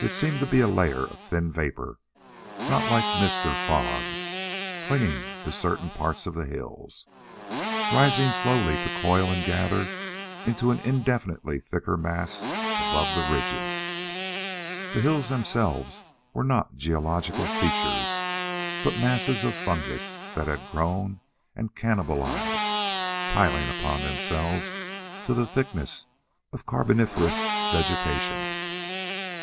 It seemed to be a layer of thin vapor, not like mist or fog, clinging to certain parts of the hills, rising slowly to coil and gather into an indefinitely thicker mass above the ridges. The hills themselves were not geological features, but masses of fungus that had grown and cannibalized, piling up upon themselves to the thickness of carboniferous vegetation.